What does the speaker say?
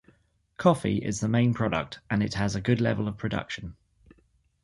Coffee is the main product and it has a good level of production.